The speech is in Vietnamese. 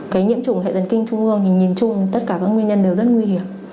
cái nhiễm trùng hệ thần kinh trung ương thì nhìn chung tất cả các nguyên nhân đều rất nguy hiểm